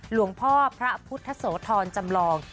หลวงพ่อพระพุทธโสธรจำลอง